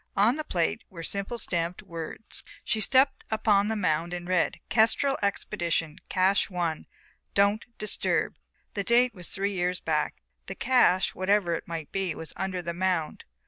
On the plate were stamped some words. She stepped upon the mound and read: "Kestrel Expedition. Cache I. Don't disturb 19 " The date was three years back. The cache, whatever it might be, was under the mound.